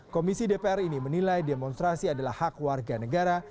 komisi dpr ini menilai demonstrasi adalah hak warga negara